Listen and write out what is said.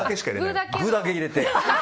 具だけを入れて。